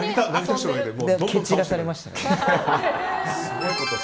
蹴散らされました。